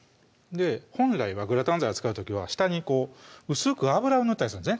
本来はグラタン皿使う時は下に薄く油を塗ったりするんですね